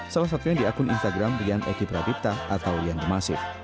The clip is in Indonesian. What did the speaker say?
salah satunya di akun instagram rian eki pradipta atau rian demasif